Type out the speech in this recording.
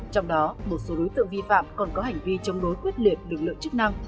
trong đó một số đối tượng vi phạm còn có hành vi chống đối quyết liệt lực lượng chức năng